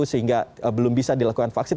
sehingga belum bisa dilakukan vaksin